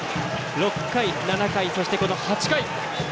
６回、７回、そして８回。